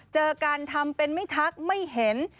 เจอกันทำเป็นไม่ทักไม่เห็น